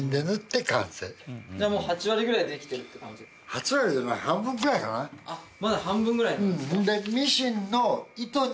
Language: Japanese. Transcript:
８割じゃない半分ぐらいかなまだ半分ぐらいなんですか？